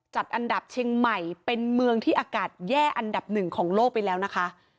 จัดอันดับเชียงใหม่เป็นเมืองที่อากาศแย่อันดับหนึ่งของโลกไปแล้วนะคะ